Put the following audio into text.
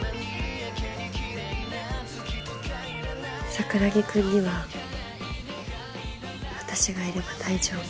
桜木くんには私がいれば大丈夫。